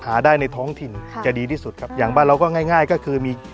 หาได้ในท้องถิ่นค่ะจะดีที่สุดครับอย่างบ้านเราก็ง่ายง่ายก็คือมี